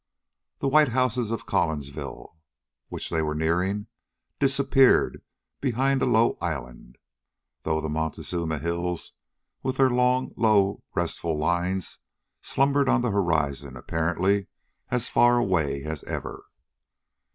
The tiny white houses of Collinsville, which they were nearing, disappeared behind a low island, though the Montezuma Hills, with their long, low, restful lines, slumbered on the horizon apparently as far away as ever.